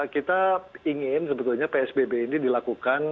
kita ingin sebetulnya psbb ini dilakukan